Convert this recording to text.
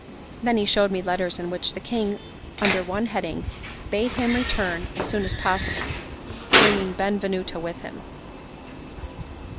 Then he showed me letters in which the King, under one heading, bade him return as soon as possible, bringing Benvenuto with him.